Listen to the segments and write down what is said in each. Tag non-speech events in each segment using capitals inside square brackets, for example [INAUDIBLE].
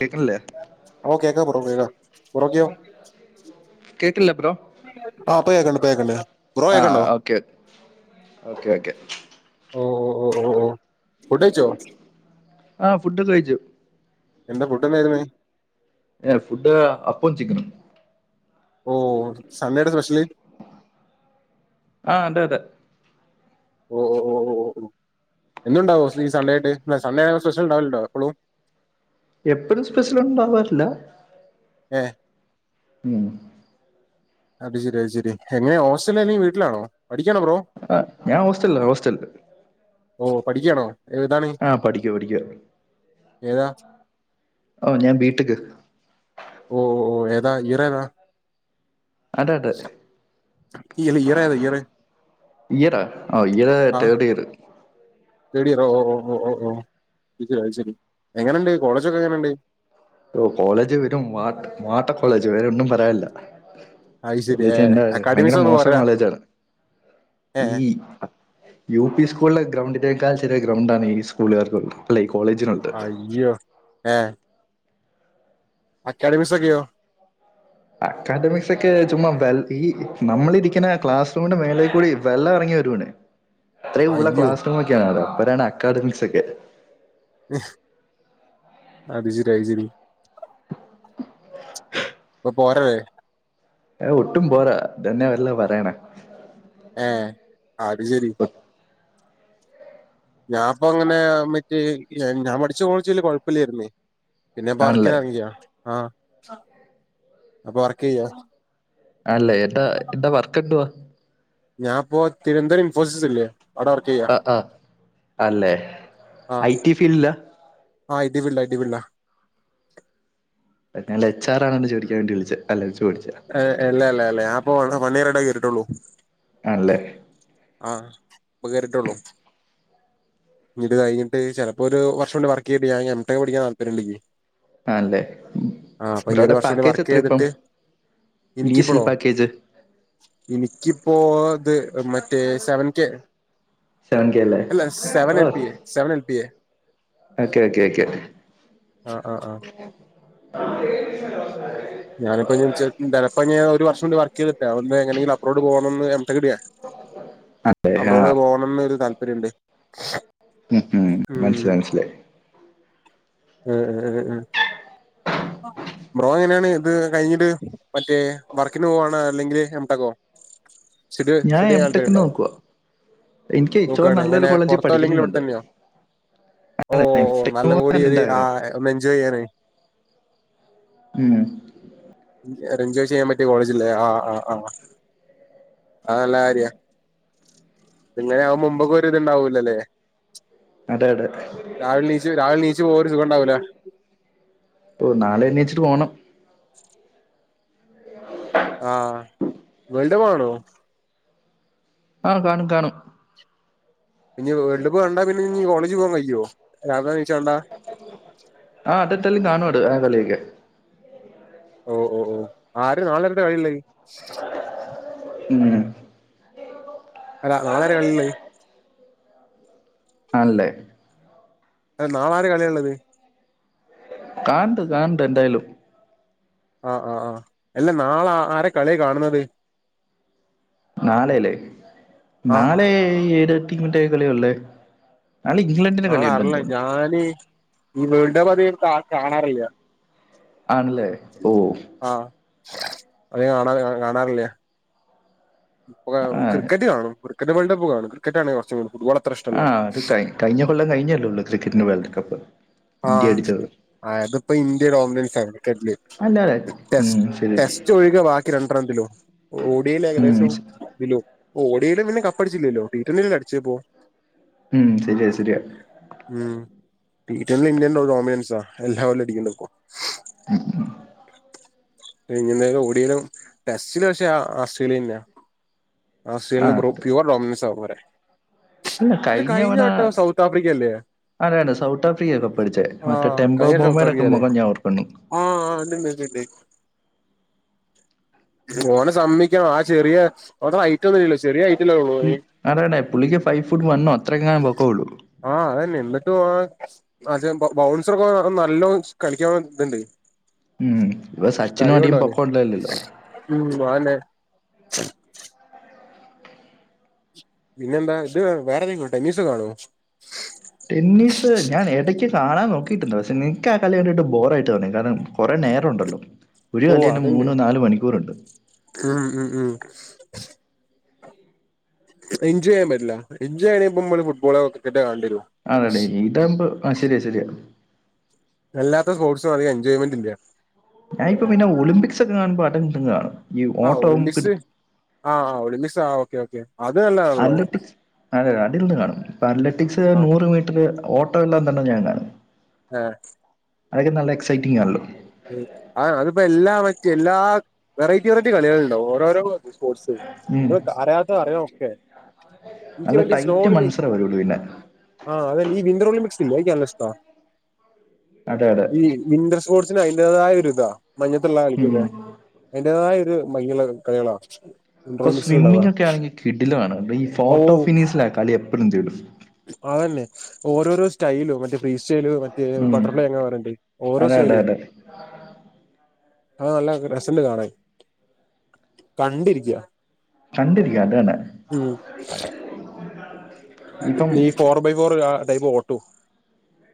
കേക്കണില്ലേ കേക്ക ബ്രോ കേക്ക ബ്രോക്കയോ കേട്ടില്ല ബ്രോ ആഹ് പ്പ കേക്കുന്നുണ്ട് പ്പ കേക്കുന്നുണ്ട് ബ്രോ ആ കേൾക്കുന്നുണ്ടോ ഓക്കെ ഓക്കെ ഓക്കെ ഓ ഓ ഓ ഓ ഫുഡ് കൈച്ചോ ആഹ് ഫുഡ്ക്കൊ കഴിച്ചു എന്താ ഫുഡ് എന്തായിരുന്നു. ഏഹ് ഫുഡ് അപ്പും ചിക്കനും ഓഹ സൺഡേയുടെ സ്പെഷ്യൽ ആഹ് അതെ അതെ ഓ ഓ ഓ ഓ എന്തുണ്ടാവുമോ ഈ സൺഡേ സൺഡേ ആ സ്പെഷ്യൽ ഉണ്ടാവില്ണ്ടോ എപ്പോളും എപ്പഴും സ്പെഷ്യൽ ഉണ്ടാവാറില്ല ഏഹ് ഉം അത് ശരി അത് ശരി എങ്ങനെ ഹോസ്റ്റലിൽ ആണോ വീട്ടിലാണോ പഠിക്കാണോ ബ്രോ ആ ഞാൻ ഹോസ്റ്റല് ഹോസ്റ്റലല് ഓഹ് പഠിക്കാണോ ഏതാണ്? ആ പഠിക്കുക പഠിക്കുക ഏതാ ഓ ഞാൻ ബി ടെക് ഓ ഓ ഓ ഏതാ ഇയറേതാ അതെ അതെ ഇല്ല ഇയർ ഏതാ ഇയർ ഇയറ ആഹ് ഇയർ ആ തേഡ് ഇയർ തേർഡ് ഇയർ ഓ ഓ ഓ അയ്ഷരി എങ്ങനെയണ്ട് കോളേജ് ഒക്കെ എങ്ങനെയുണ്ട്? കോളേജ് വരും വട്ട കോളേജ് വരെ ഒന്നും പറയാനില്ല അത് ശരി കൊളജ ഏ എണ്ട ഭയങ്കര അക്കാഡമിക്സ് ഒന്നും മോശം പോരാ കോളേജാണ് ഏ ഈ യു പി സ്കൂള ഗ്രൗണ്ടിനേക്കാൾ ചെറിയ ഗ്രൗണ്ടണ്ണ് ഈ സ്കൂള്കാർക്ക അല്ല ഈ കോളേജിനുള്ളത് അയ്യോ ഏ അക്കാഡമിക്സ് ഒക്കെയോ അക്കാഡമിക്സ് ഒക്കെ ചുമ്മാ വെ ഈ നമ്മളിരിക്കുന്ന ക്ലാസ് റൂമിന്റെ മേളേൽ കൂടി വെള്ളം ഇറങ്ങി വരൂണേ അത്രയും ഊള്ള അയ്യോ ക്ലാസ്റൂ ഒക്കെയാണ് അവിടെ അപ്പരാണ് അക്കാഡമിക്സ് ഒക്കെ അത്ശരി അയ്ശരി ബോർ ഏ ഒട്ടും പോരാ തന്നെ വല്ല പറയണ ഏ അത് ശരി ഒ- ഞാൻപ്പ അങ്ങനെ മറ്റേ ഞാൻ പഠിച്ച കോളേജ് വല്യ കുഴപ്പില്ലായിരുന്നേ പിന്നെ പർക്കിന ആണല്ലേ ഇറങ്ങിയാ ആഹ അപ്പ വർക്ക് ചെയ്യാ അല്ലേ എന്താ എന്താ വർക്ക് എന്തുവാ ഞാൻപ്പോ തിരുവനന്തപുരം ഇൻഫോസിസ് ഇല്ലേ അവിടെ വർക്ക് ചെയ്യാ ആഹ് ആഹ അല്ലെ ഐടി ഫീൽഡിലാ ആഹ് ഐടിഫീൽഡ് ഐടി ഫീൽഡാ ഞാ എച്ച്ആർ ആണ് ചോടിക്കാൻ വേണ്ട വിളിച്ചത് അല്ല ചോദിച്ചാ അല്ല അല്ലാ ഞാൻ ഇപ്പോ വൺ ഇയർടെ കയറിട്ടുള്ളൂ ആണല്ലേ ആഹ ഇപ്പ കേറിട്ടള്ളൂ ഇത് കഴിഞ്ഞട്ട് ചിലപ്പോ ഒരു വർഷ കൊണ്ട് വർക്ക് ചെയ്ട്ട് ഞാൻ എം ടെക് പഠിക്കാൻ താല്പര്യം ഉണ്ട് ആണല്ലേ ഉം. ആഹ് അപ്പൊ ഇനി ബ്രോയുടെ ഒരു വർഷം കൂടി പാക്കേജ് വർക്ക് എത്ര ഇപ്പം ചെയ്തിട്ട് ലീസിൽ എനിക്കിപ്പോളോ പാക്കേജ് എനിക്കിപ്പോ ഇത് മ സെവൻകേ സെവൻ കെ അല്ലേ അല്ല ഓ seven MPA seven MPA okay okay okay ആഹ ആഹ ആഹ [INAUDIBLE] ഞാനിപ്പനിച്ച ചെലപ്പം ഞാൻ ഒരു വർഷം കൂടി വർക്ക് ചെയ്തിട്ട അവിടുന്ന് എങ്ങനെങ്കില അപറോഡ് പോണണംന്ന് എം ടെക് എടുക്കാൻ അല്ലേ അബ്രോഡ് ആ പോണന്ന് ഒരു താല്പര്യണ്ട്. ഉം ഉം മനസ്സിലായി മനസ്സിലായി ഏഹ്ഹ് ബ്രോ എങ്ങനെയാണ് ഇത് കഴിഞ്ഞിട്ട് മറ്റേ വർക്കിന് പോവണോ അല്ലെങ്കില് എം ടെകോ വെച്ചടി ഞാൻ വെച്ചടി എം [UNINTELLIGIBLE] ടെക്കിന് നോക്കുക എനിക്ക് ഏറ്റവും നോക്കാണ് നല്ലൊരു എങ്ങനെ കോളേജിൽ പൊറത്തോ അല്ലെങ്കിൽ പഠിക്കുന്നുണ്ട് ഇവിടെത്തന്നെയോ? ഓ ഓ എം ഓ ടെക്കിന് നല്ല കൂടി പോകാനാണ് എന്റെ ആ ആഗ്രഹം ഒന്ന് എൻജോയ് ചെയ്യാനായി ഉം എൻജോയ് ചെയ്യാൻ പറ്റിയ കോളേജില്ലേ ആഹ് ആഹ് ആഹ് അത് നല്ല കാര്യ പിന്നെ ആ മുമ്പൊക്കെ ഒരു ഇത്ണ്ടാവൂലല്ലേ അതെ അതെ രാവിലെ നിച്ച് രാവില നീച്ചു പോവാ ഒരു സുഖം ഉണ്ടാവില്ലേ ഓ നാളെ എനിച്ചിട്ട് പോണം ആഹ വേൾഡ ആണോ ആഹ് കാണും കാണും ഇനി വേൾഡ് കപ്പ് കണ്ട പിന്നെ ഇനി കോളേജ് പോവാൻ കഴിവോ രാവിലെന്ന്നീച്ച് കണ്ടാ ആഹ അതത്തല്ലും കാണുട ആ കളിക്കെ ഓ ഓ ഓ ആര് നാളെ എന്താ കളി ഉള്ള ഉം അല്ല നളെരെള്ള ആണല്ലേ അഹ് നാളെ ആര് കളിയ ഉള്ളത് കണണ്ട് കണണ്ട് എന്തായാലും ആഹ് ആഹ് ആഹ് അല്ല നാളെ ആരെ കളിയ കാണുന്നത് നാലെല്ലേ ആഹ് നാലെ ഏഴ് തീമിറ്റ കളിയ അല്ലേ നാൾ ഇംഗ്ലണ്ടിന് കളിയുണ്ടെന്ന് തോന്നുന്നു ആല് ഈ വേൾഡ് കപ്പ് അത് കാണാറില്ല ആണല്ലേ ഓ ആഹ് അത് കാണാ കാണാറില്ലേ ആ ക്രിക്കറ്റ് കാണും ക്രിക്കറ്റ് വേൾഡ്പ്പ് കാണും ക്രിക്കറ്റാണ് ഫുട്ബോൾ അത്ര ഇഷ്ടല്ല ആഹ് അത് ക കഴിഞ്ഞ കൊല്ലം കഴിഞ്ഞല്ലേള്ളൂ ക്രിക്കറ്റിന് വേൾഡ് കപ്പ് ഇന്ത്യ ആഹ് അടിച്ചത് ആതിപ്പോ ഇന്ത്യൻ ഓമിനൻസ്ലറ്റ് അല്ല അല്ല ഉം ടെസ്റ്റ് ശരി ടെസ്റ്റ് ഒഴികെ ബാക്കി രണ്ടൊംതില്ലോ ഓഡിയോയില് ഉം ഏകദേശം ഓ ഒടിയയിലും പിന്നെ കപ്പടിച്ചില്ലല്ലോ ടീറ്റന്നൽ അടിച്ചപ്പോ ഉം ശരിയ ശരിയ ഉം ഇന്ത്യൻോമിനൻസാ എല്ലാവരുംടിക്കണ്ടക്കോ [INAUDIBLE] ഞ്ഞ എന്തായാലും ഓടിയാലും ടെസ്റ്റില് പക്ഷെ ആസ്ട്രേലിയല്ലാ ആ ആസ്ട്രലിന് പ്യോർ ഡോമിനോസ ആ പറേ അല്ല കഴിഞ്ഞവണ ആഫ്രിക്ക അല്ലേ അല്ല സൗത്ത് ആഫ്രിക്കയ ഒക്കെ പഠിച്ചേ മറ്റേ ആഹ് ടെമ്പോ കഴിഞ്ഞ വട്ടം സൗത്ത് ബോമേയുടൊക്കെ ആഫ്രിക്ക അല്ലേ മുഖം ഞാൻ ഓക്കണു ആഹ് ആഹ് അത്ണ്ട് ഓനെ സമ്മിക്കണം ആഹ് ചെറിയ ഓന ഐറ്റം ഒന്നും ഇല്ലോ ചെറിയ ഹൈറ്റല്ലേ ഉള്ളൂ ഉം ഓന് അതടാ പുുള്ളിക്ക് ഫൈവ് ഫുട്ട് വണ്ണോ അത്രങ്ങാൻ പൊക്കള്ളൂ ആഹ് അതെ നിന്നിട്ടു അതെ ബൗൺസർ ഒക്കെ നല്ലോ കളിക്ക ഇതുണ്ട് ഉം ഇപ്പൊ സച്ചിനും അടിയും കഴിവുണ്ട് ഓന് പൊക്കം ഉണ്ടല്ലല്ലോ ഉം അതന്നേ പിന്നെന്താ ഇത് വേറെ ഏതെങ്കിലും ടെനീസ് കാണോ ടെന്നീസ് ഞൻ ഇടയ്ക്ക് കാണാൻ നോക്കിട്ടുണ്ട് പക്ഷെ നിക്ക് ആഹ് കല് കേണ്ടിയിട്ട് ബോറ ആയിട്ട് തന്ന കാരണം കുറെ നേരം ഉണ്ടല്ലോ ഒരു ഓ കലിയന്നെ അതുണ്ട് മൂന്ന് നാലു മണിക്കൂർണ്ട് ഉം ഉം ഉം എൻജോയ് ചെയ്യാൻ പറ്റ്ല്ല എൻജോയ് ചെയണ്പമ്മള് ഫുട്ബോളോക്രിക്കറ്റോ കണ്ടിരും അതതെ ഈതാകുമ്പോ ആഹ് ശരിയ ശരിയ അല്ലാത്ത സ്പോട്സും അധിക എൻജോയ്മെന് ഇല്ല ഞാഇപ്പ പിന്നെ ഒളിമ്പിക്സ് ഒക്കെ കാണ്പോട്ടം കാണും ഈ ആഹ് ഓട്ടവും ഒളിമ്പിക്സ് പിടുത്തവും ആഹ് ആഹ് ഒളിമ്പിക്സ് ആഹ് ഓക്കെ ഓക്കെ അത് നല്ലതാണല്ലോ അത്ലറ്റിക്സ് അത് അടിൽന്ന് കാണും അത്ലറ്റിക്സ് ആ നൂറ് മീറ്റർ ഓ ട്ട എണ്ട ഞാ കാണും ആഹ് അതൊക്കെ നല്ല എക്സൈറ്റിംഗ് ആണല്ലോ ഉം ആഹ് അതിപ്പോ എല്ലാ മറ്റെ എല്ലാ വെറൈറ്റി വെറൈറ്റി കളികളുണ്ടോ ഓരോരോ സ്പോർട്സ് ഉം നമ്മ അറിയാതോ അറിയോ ഒക്കെ എനിക്ക് നല്ല തടൈറ്റ് മത്സര വരുള്ളു പിന്നെ ആഹ് അതെ ഈ വിന്ദർ ഒലിമ്പിക്സ് ക്കല്ലഷ്ടാ അതെ അതെ ഈ വിന്ദർ സ്പോർ അതിന്റേതായ ഒരു ഇതാ മഞ്ഞത്തുള്ള ഉം കളിക്കക്കെ അതിന്റേതായ ഒരു ഭയങ്കര വഴക്കാളികളാ ഇപ്പൊ സ്വിമ്മിംഗ ഒക്കെ ആണെങ്കിൽ കിടിലാണ് ഈ ഓ ഫോട്ടോ ഫിനീഷില കളി എപ്പോഴും തേടും അതന്നെ ഓരോരോ സ്റ്റൈലും മറ്റേ ഫ്രീ സ്റ്റൈല് മറ്റ ഉം ബട്ടർഫ്ലൈ എങ്ങാ വരണ്ടേ ഓരോ അതെ അതെ സെലും അതെ ആഹ് നല്ല രസണ്ട് കാണാൻ കണ്ടിരിക്കും കണ്ടിരിക്ക അതനെ [UNINTELLIGIBLE] ഇനി four by four ah time ഓട്ടോ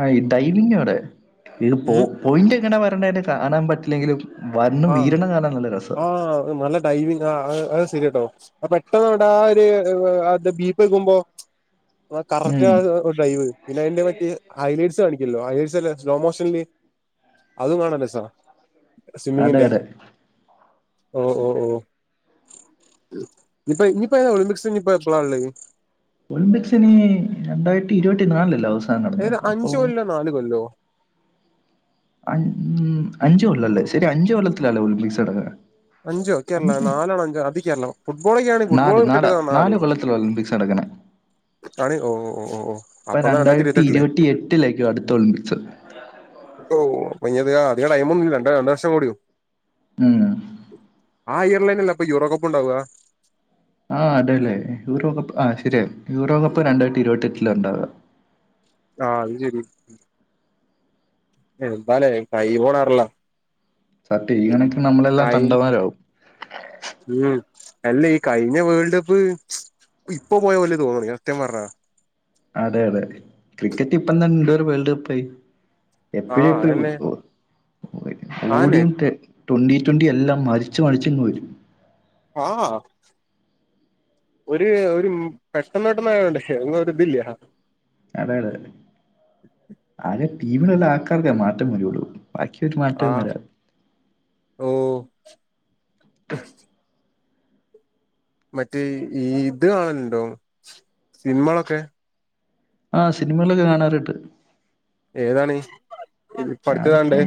ആഹ് ഈ ഡൈവിങ്ങാണ് ഇത് പോ ഉം പോയിന്റ് എങ്ങനാ വരണ്ടെ കാണാൻ പറ്റില്ലെങ്കിലും വന്ന് വീഴണ കാണാൻ നല്ല രസാ ആഹ് [UNINTELLIGIBLE] ടൈമിങ് ആഹ് അത് ശെരിയ കേട്ടോ അപ്പൊ പെട്ടന്ന് നമ്മടെ ആഹ് ഒരു ആഹ് ബീപ്പ് കേക്കുമ്പോ ആഹ് കറക്റ്റ് ഉം ഡ്രൈവ് പിന്നെ അതിന്റെ പറ്റി ഹൈ ലൈറ്റ്സ് കാണിക്കല്ലോ ഹൈ ലൈറ്റ്സ് അല്ല സ്ലോ മോഷൻലി അതും കാണല്ലേ രസാ അതെ സ്വിമ്മിങ്ങിന്റെ അതെ ഓഹ് ഓഹ് ഓഹ് ഇപ്പ ഇനിപ്പതാ ഒളിമ്പിക്സ് ഇനിപ്പ എപ്പള ഇള്ളത് ഒളിമ്പിക്സ് ഇനി രണ്ടായിരത്തി ഇരുപത്തി നാലിലല്ലോ ഏത് അഞ്ച് കൊല്ലോ നാല് കൊല്ലോ അഞ്ച് കൊല്ലം അല്ലേ ശരി അഞ്ച് കൊല്ലത്തിലാല്ലേ ഒളിമ്പിക്സ് നടക്കുന്നേ അഞ്ചോ കേരള നാലാണ് അഞ്ചോ അതി കേരള ഫുട്ബോളൊക്കെയണെങ്ക ഫുട്ബോൾ നാല് നാല് നാല് ക്രിക്കറ്റ് [UNINTELLIGIBLE] കൊല്ലത്തില [UNINTELLIGIBLE] ആണ് ഓ ഓ ഓ ഓ ഇപ്പൊ അപ്പൊന്നാ രണ്ടായിരത്തി ഇരുപത്തെട്ടില് ഇരുപത്തി എട്ടിലേക്കോ അടുത്ത ഒളിമ്പിക്സ് [INAUDIBLE] ഓഹ് ഇനിത് അധിക ടൈം ഒന്നുമില്ല രണ്ട് രണ്ട വർഷം കൂടി ഉം ആ ഇയർല്ന്നെ അല്ലേ അപ്പ യൂറോകപ്പ് ഉണ്ടാവുക ആഹ് അതേല്ലെ യൂറോകപ്പ് ആ ശരിയ യൂറോകപ്പ് രണ്ടായിരത്തി ഇരുപത്തി എട്ടിലാ ഉണ്ടാവുക ആഹ് അത് ശരി എന്താലേ ടൈം പോണാറില്ല ടി ഈ കണക്കി നമ്മളെല്ലാം കൈ തണ്ടമാരാവും ഉം അല്ല ഈ കഴിഞ്ഞ വേൾഡ് കപ്പ് ഇപ്പൊ പോയ പോലെ തോന്നുന്നു സത്യം പറഞ്ഞാ അതെ അതെ ക്രിക്കറ്റ് ഇപ്പം തന്നെ ഒരു വേൾഡ് കപ്പായി ആ എപ്പഴും എപ്പഴും അതന്നെ ആന്നെ ഓടിയും ട്വന്റി ട്വന്റി എല്ലാം മറിച്ച് മറിച്ച് ഇങ്ങ് വരും ആഹ് ഒരു ഒരു പെട്ടെന്ന് പെട്ടെന്ന് ഒരു ഇതില്യാ അതാണ് ആദ്യം ടീമിലുള്ള ആൾക്കാർക്കേ മാറ്റം വരുള്ളൂ ബാക്കി ഒരു മാറ്റവും വരാ ഓഹ് മറ്റേ ഈ ഇത് കാണലുണ്ടോ സിനിമാ ആഹ് സിനിമകളൊക്കെ കാണാറിണ്ട് ഏതാണ് പഠിച്ചതാണ്ട് ഞാനിപ്പം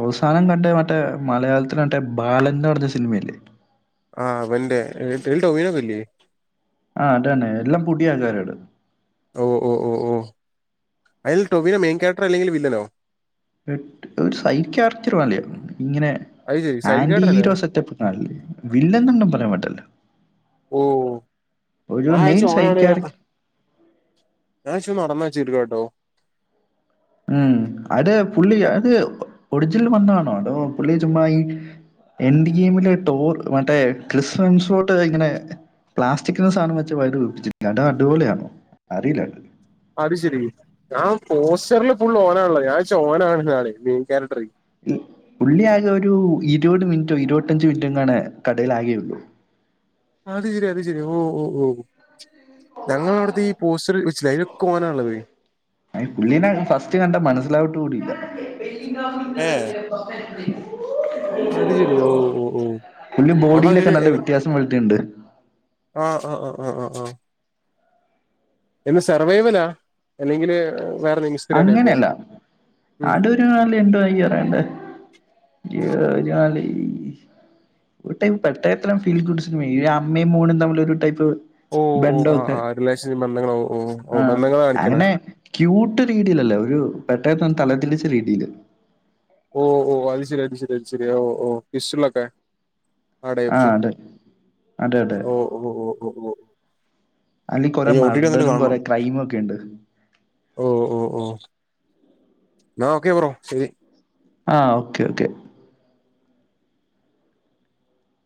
അവസാനം കണ്ട മറ്റേ മലയാളത്തിലെ മറ്റേ ബാലൻന്ന് പറഞ്ഞ സിനിമയില്ലേ ആഹ് അവൻ്റെ [UNINTELLIGIBLE] ടോവിനോ ഇല്ലേ ആഹ് അതന്നെ എല്ലാം പൊടി ആൾക്കാരാണ് ഓഹ് ഓഹ് ഓഹ് ഓഹ് അതിൽ ടൊവിനൊ മെയിൻ ക്യാരക്ടർ അല്ലെങ്കിൽ വില്ലനോ ഒരു സൈക്യാട്രി മാതിരി ഇങ്ങനെ അത് ശരി സൈഡ് ആന്റി ക്യാരക്ടർ അല്ലേ ഹീറോസ് സെറ്റപ്പ് ല്ലേ വില്ലൻ എന്നൊന്നും പറയാൻ പറ്റില്ല ഓഹ് [UNINTELLIGIBLE] ഒരു ഞഴച്ച മെയിൻ സൈഡ് ഓനാണ് ക്യാരക്ടർ ഞാ നടന്നാ ചീരുക്ക കേട്ടോ ഉം അത് പുള്ളി അത് ഒഡജിൽ വന്നാണോ അതോ പുള്ളി ചുമ്മ ഈ എൻ ഗെയിമില് ടോർ മറ്റേ ക്രിസ്ംസോട്ട് ഇങ്ങനെ പ്ലാസ്റ്റിക്കക്സാധനം വെച്ച് വൈ [UNINTELLIGIBLE] അത് അടിപൊളിയാണോ അറിയില്ല അത് ശെരി ഞാൻ പോസ്റ്ററിൽ ഫുൾ ഓനാണല്ല ഞാഴ്ച്ച ഓന ആണ് നാളെ മെയിൻ ക്യാരക്ടർ പുള്ളിയാകെ ഒരു ഇരുപത് മിനിറ്റോ ഇരുപത്തഞ്ച മിനിറ്റോങ്ങണ കടൽ ആകേയുള്ളൂ അത് ശെരി അത് ശരി ഓ ഓ ഓ ഞങ്ങ അവിടുത്തെ ഈ പോസ്റ്ററി വെച്ചില്ല അയിൽ കോനള്ളത് അഹ് പുള്ളീനെ ഫസ്റ്റ് കണ്ട മനസിലാവട്ട് കൂടില്ല [INAUDIBLE] ഏ അത് ശരി ഓ ഓ ഓ പുല്ല അപ്പൊ ബോഡിയിലൊക്കെ അങ്ങനെ നല്ല വ്യത്യാസം വലട്ടുണ്ട് ആഹ് ആഹ് ആഹ് സർവൈവലാ അല്ലെങ്കില് വേറെ ന്തെങ്കി അങ്ങനെയല്ല അടു ലി എണ്ടോ അറിയണ്ടേ ഈ ജാലി ഒരു ടൈപ്പ് പട്ട എത്ര ഫീൽ ഗുഡ്ിന ഈ അമ്മയും മൂണും തമ്മിൽ ഒരു ടൈപ്പ് ഓ ഓ ആ ബന്ധമൊക്കെ ആ അ ഒരു റിലേഷൻ ബന്ധങ്ങ ൾഓ ഓ ഓ ആ ബന്ധങ്ങളെ കാണിക്കണേ അങ്ങനെ ക്യൂട്ട് രീഡീൽല്ലേ ഒരു പെട്ടെന്ന് തലത്തിളിച്ച രീഡീയില് ഓ ഓ അത് ശരി അടി ശരി അ ശരി ഓ ഓ പിസ്ലൊക്കെ ആ പടയച്ച അതെ അതെ അതെ ഓ ഓ ഓ ഓ ഓ ഓ അതില് കുറെേ അയ്യോ ഒ ടി ടി വന്നിട്ട് മർഡറും കൊറെ കാണണം ക്രൈമും ഒക്കെണ്ട് ഓ ഓ ഓ നാ ഓക്കെ ബ്രോ ശരി ആഹ് ഓക്കേ ഓക്കെ